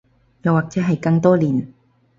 又或者係更多年